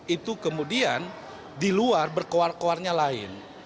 itu kemudian di luar berkewar kewarnya lain